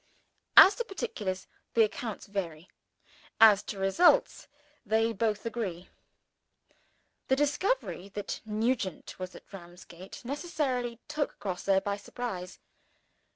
As to particulars, the accounts vary. As to results, they both agree. The discovery that Nugent was at Ramsgate necessarily took Grosse by surprise.